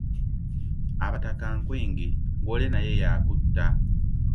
Abataka nkwenge, gw’olya naye yakutta.